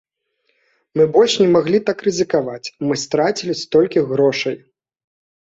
Мы больш не маглі так рызыкаваць, мы страцілі столькі грошай.